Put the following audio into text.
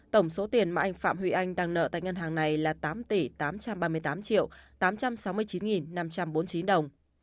tổng số tiền mà anh phạm huy anh đang nợ tại ngân hàng này là tám tỷ tám trăm ba mươi tám triệu tám trăm sáu mươi chín năm trăm bốn mươi chín đồng